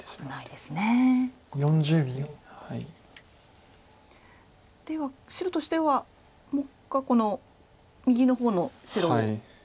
では白としては目下この右の方の白を。